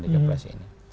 di kelas ini